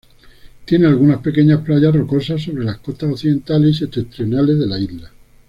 Tiene algunas pequeñas playas rocosas sobre las costas occidentales y septentrionales de la isla.